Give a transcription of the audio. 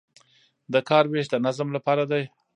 د کار ویش د نظم لپاره دی